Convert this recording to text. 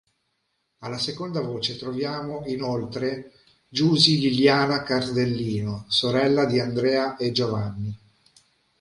Alla seconda voce troviamo inoltre Giusy "Liliana" Cardellino, sorella di Andrea e Giovanni.